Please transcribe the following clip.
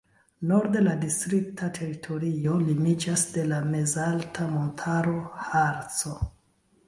Norde la distrikta teritorio limiĝas de la mezalta montaro Harco.